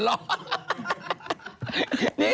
นี่